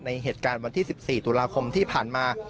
ในเหตุการณ์๑๔ตุลาคมที่ผ่านมา